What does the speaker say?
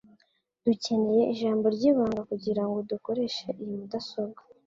Dukeneye ijambo ryibanga kugirango dukoreshe iyi mudasobwa.